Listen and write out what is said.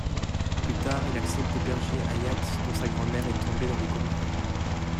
Plus tard, il accepte d'héberger Hayat, dont sa grand-mère est tombée dans le coma.